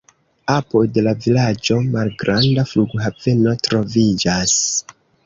Apud la vilaĝo malgranda flughaveno troviĝas.